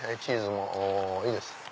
チーズもいいです。